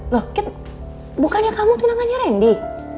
loh kat bukannya kamu tunangannya rendy